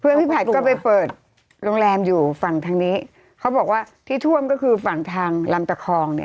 พี่ผัดก็ไปเปิดโรงแรมอยู่ฝั่งทางนี้เขาบอกว่าที่ท่วมก็คือฝั่งทางลำตะคองเนี่ย